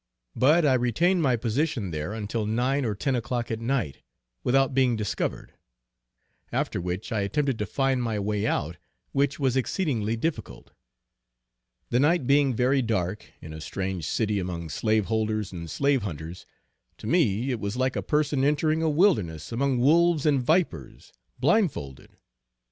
But I retained my position there until 9 or 10 o'clock at night, without being discovered; after which I attempted to find my way out, which was exceedingly difficult. The night being very dark, in a strange city, among slaveholders and slave hunters, to me it was like a person entering a wilderness among wolves and vipers, blindfolded.